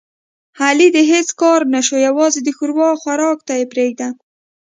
علي د هېڅ کار نشو یووازې د ښوروا خوراک ته یې پرېږده.